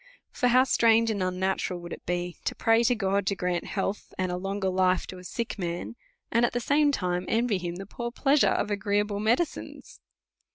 For how strange and unna tural would it be to pray to God to grant health and a longer life to a sick man, and at ihe same time to envy him the poor pleasures of agreeable medicines